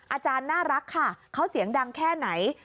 อาจารย์น่ารักค่ะเขาเสียงดังแค่ไหน